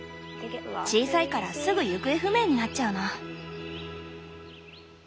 小さいからすぐ行方不明になっちゃうの。